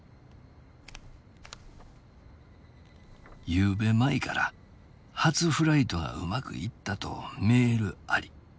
「昨夜舞から初フライトがうまくいったとメールあり。